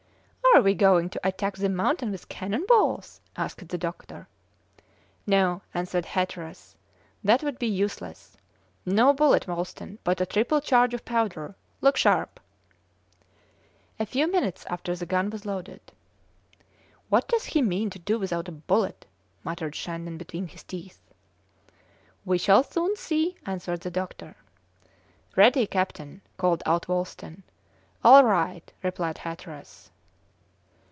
"Are we going to attack the mountain with cannon balls?" asked the doctor. "No," answered Hatteras, "that would be useless. No bullet, Wolsten, but a triple charge of powder. Look sharp!" A few minutes after the gun was loaded. "What does he mean to do without a bullet?" muttered Shandon between his teeth. "We shall soon see," answered the doctor. "Ready, captain!" called out Wolsten. "All right!" replied Hatteras.